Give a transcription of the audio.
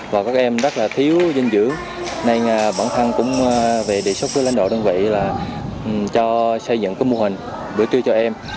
và các em rất là thiếu dinh dưỡng nên bản thân cũng về đề xuất với lãnh đạo đơn vị là cho xây dựng cái mô hình bữa trưa cho em